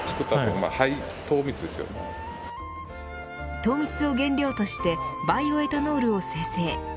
糖蜜を原料としてバイオエタノールを生成。